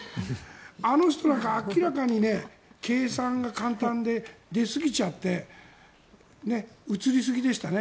あの人なんか明らかに計算が簡単で出すぎちゃって映りすぎでしたね。